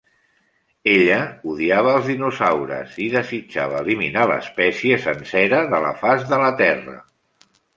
Ella odiava als dinosaures i desitjava eliminar l'espècie sencera de la faç de la terra.